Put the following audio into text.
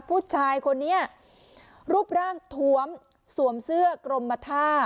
ผู้ชายคนนี้รูปร่างทวมสวมเสื้อกรมท่า